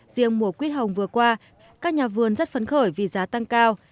riêng mùa quýt hồng vừa qua các nhà vườn rất phấn khởi vì giá tăng cao